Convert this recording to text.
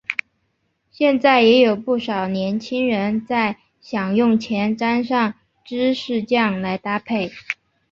现在也有不少年轻人在享用前沾上芝士酱来搭配。